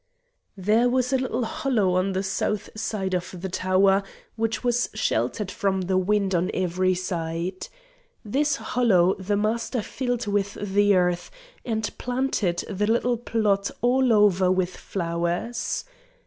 There was a little hollow on the south side of the tower which was sheltered from the wind on every side. This hollow the Master filled with the earth, and planted the little plot all over with flowers.